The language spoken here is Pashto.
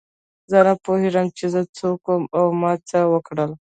زه نه پوهېږم چې زه څوک وم او ما څه وکړل.